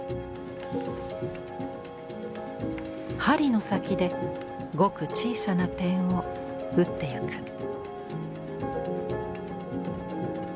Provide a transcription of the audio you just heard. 針の先でごく小さな点をうっていく。